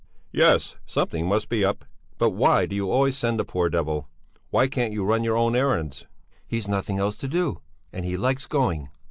"Yes, something must be up. But why do you always send the poor devil? Why can't you run your own errands?" "He's nothing else to do, and he likes going."